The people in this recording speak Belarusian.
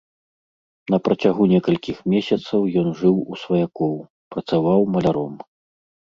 На працягу некалькіх месяцаў ён жыў у сваякоў, працаваў маляром.